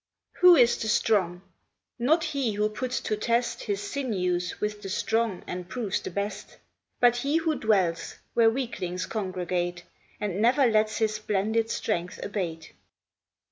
WHO is the strong? Not he who puts to test His sinews with the strong and proves the best; But he who dwells where weaklings congregate, And never lets his splendid strength abate.